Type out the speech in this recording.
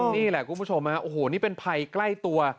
นี่แหละคุณผู้ชมฮะโอ้โหนี่เป็นภัยใกล้ตัว